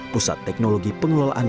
pusat teknologi pengelolaan